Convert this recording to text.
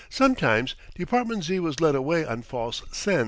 Sometimes Department Z. was led away on false scents.